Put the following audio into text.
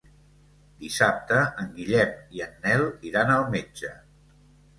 Dissabte en Guillem i en Nel iran al metge.